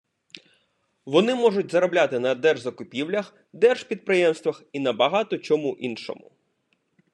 Вони можуть заробляти на держзакупівлях, держпідприємствах і на багато чому іншому.